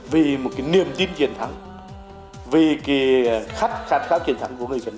vì một cái niềm tin triển thắng vì cái khát khát khát triển thắng của người việt nam